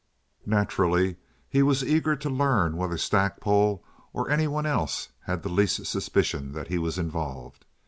Naturally, he was eager to learn whether Stackpole or any one else had the least suspicion that he was involved.